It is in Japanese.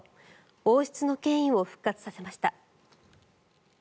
王室の権威を復活させました。